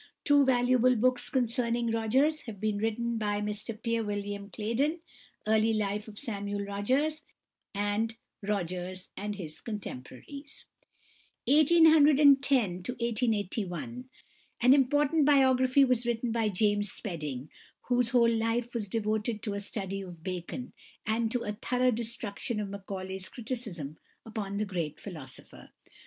Two valuable books concerning Rogers have been written by Mr Peter William Clayden, "Early Life of Samuel Rogers," and "Rogers and His Contemporaries." An important biography was written by =James Spedding (1810 1881)=, whose whole life was devoted to a study of Bacon, and to a thorough destruction of Macaulay's criticism upon the great philosopher.